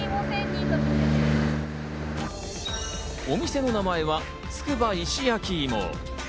お店の名前は、つくば石焼芋。